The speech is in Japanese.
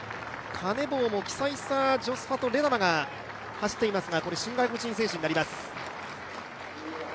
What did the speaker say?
カネボウも、キサイサ・レダマが走っていますが新外国人選手になります。